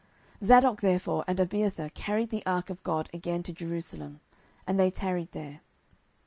10:015:029 Zadok therefore and Abiathar carried the ark of God again to Jerusalem: and they tarried there.